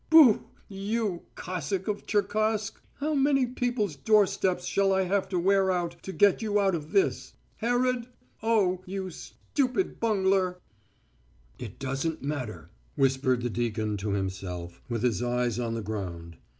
Booh! You, Cossack of Cherkask! How many people's doorsteps shall I have to wear out to get you out of this? Herod! Oh, you stupid bungler!" "It doesn't matter," whispered the deacon to himself, with his eyes on the ground.